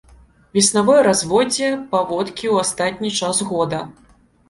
Веснавое разводдзе, паводкі ў астатні час года.